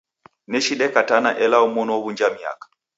Nechi dekatana ela omoni waw'unja miaka.